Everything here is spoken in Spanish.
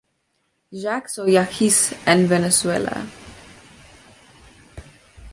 Jacks o yaquis en Venezuela.